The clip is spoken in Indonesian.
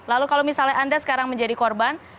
lalu kalau misalnya anda sekarang menjadi korban